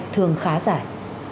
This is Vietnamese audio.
thường khá dài